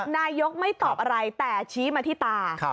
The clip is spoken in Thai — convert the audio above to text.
นายกไม่ตอบอะไรแต่ชี้มาที่ตา